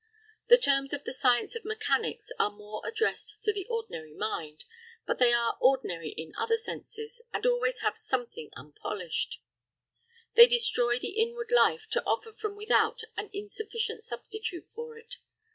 The terms of the science of mechanics are more addressed to the ordinary mind, but they are ordinary in other senses, and always have something unpolished; they destroy the inward life to offer from without an insufficient substitute for it.